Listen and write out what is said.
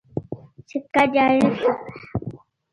سکه جاري شوه.